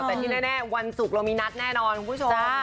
แต่ที่แน่วันศุกร์เรามีนัดแน่นอนคุณผู้ชม